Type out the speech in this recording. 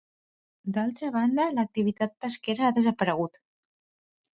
D'altra banda, l'activitat pesquera ha desaparegut.